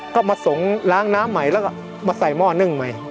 ก็มาส่งล้างน้ำใหม่แล้วก็มาใส่หม้อนึ่งใหม่